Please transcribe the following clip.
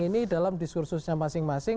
ini dalam diskursusnya masing masing